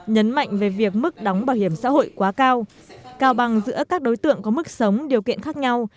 nhấn mạnh về việc mức đóng bảo hiểm xã hội quá cao bằng giữa các đối tượng có mức sống điều kiện khác nhau